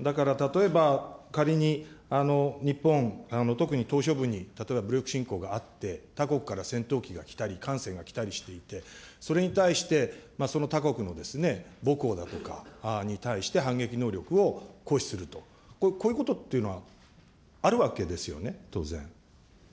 だから例えば、仮に日本、特に島しょ部に、例えば武力侵攻があって、他国から戦闘機が来たり、艦船が来たりしていて、それに対してその他国の母港だとかに対して反撃能力を行使すると、こういうことっていうのはあるわけですよね、当然。